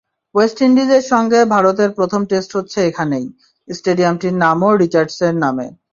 West ইন্ডিজের সঙ্গে ভারতের প্রথম টেস্ট হচ্ছে এখানেই, স্টেডিয়ামটির নামও রিচার্ডসের নামে।